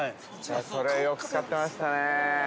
それはよく使ってましたね。